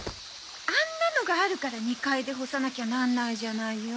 あんなのがあるから２階で干さなきゃならないじゃないよ。